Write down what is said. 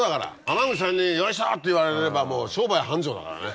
浜口さんに「よいしょ！」って言われれば商売繁盛だからね。